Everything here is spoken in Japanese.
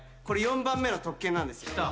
これ４番目の特権なんですよ。